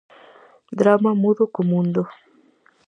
Drama mudo co mundo.